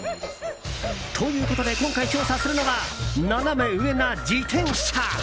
ということで、今回調査するのはナナメ上な自転車。